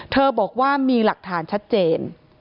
บอกว่ามีหลักฐานชัดเจน